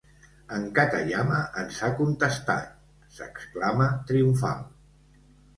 En Katayama ens ha contestat —s'exclama triomfal—.